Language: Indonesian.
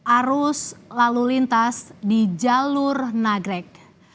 arus lalu lintas di jalur nagrek